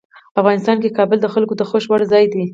افغانستان کې کابل د خلکو د خوښې وړ ځای دی.